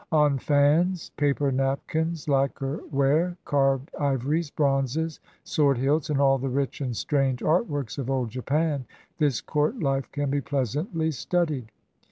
On fans, paper napkins, lacquer ware, carved ivories, bronzes, sword hilts, and all the rich and strange art works of Old Japan, this court life can be pleasantly studied.